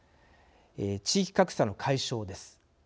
地域格差の解消です。